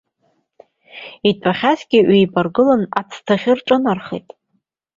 Итәахьазгьы ҩеибаргыланы аҭӡахьы рҿынархеит.